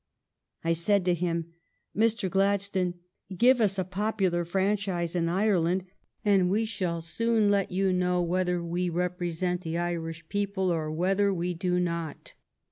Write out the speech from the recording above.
I said to him, " Mr. Gladstone, give us a popular franchise in Ireland and we shall soon let you know whether we represent the Irish people or whether we do not."